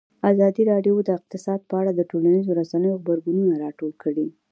ازادي راډیو د اقتصاد په اړه د ټولنیزو رسنیو غبرګونونه راټول کړي.